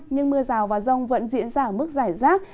nhưng mưa rào và rông vẫn diễn ra ở mức giải rác